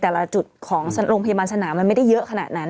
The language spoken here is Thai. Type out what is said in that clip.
แต่ละจุดของโรงพยาบาลสนามมันไม่ได้เยอะขนาดนั้น